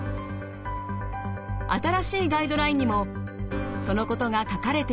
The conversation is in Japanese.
新しいガイドラインにもそのことが書かれていました。